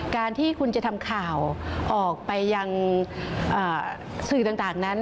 การที่คุณจะทำข่าวออกไปยังสื่อต่างนั้น